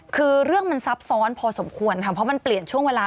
คือเรื่องมันซับซ้อนพอสมควรค่ะเพราะมันเปลี่ยนช่วงเวลา